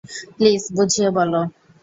Please বুঝিয়ে বলো।